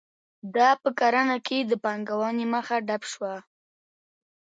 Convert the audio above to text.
دا په کرنه کې د پانګونې مخه ډپ شوه.